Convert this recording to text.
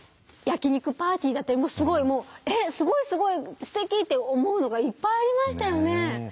焼き肉パーティーだってすごいもう「えっすごいすごいすてき！」って思うのがいっぱいありましたよね。